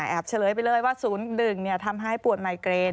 เฉลยไปเลยว่า๐๑ทำให้ปวดไมเกรน